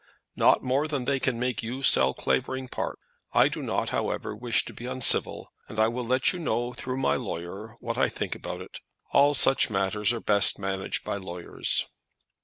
"Not more than they can make you sell Clavering Park. I do not, however, wish to be uncivil, and I will let you know through my lawyer what I think about it. All such matters are best managed by lawyers."